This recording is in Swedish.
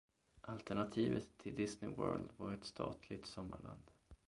Alternativet till Disney World var ett statligt sommarland.